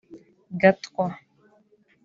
Gatwa